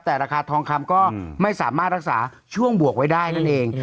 แต่ราคาทองคำก็ไม่สามารถรักษาช่วงบวกไว้ได้นั่นเอง